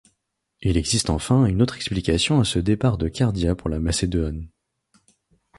Il existe enfin une autre explication à ce départ de Cardia pour la Macédoine.